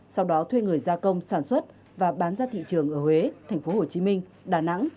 sau đó thuê người gia công sản xuất và bán ra thị trường ở huế tp hcm đà nẵng